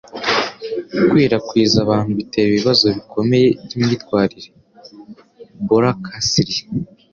Gukwirakwiza abantu bitera ibibazo bikomeye byimyitwarire. (boracasli)